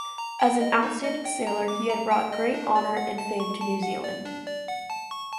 As an outstanding sailor, he had brought great honour and fame to New Zealand.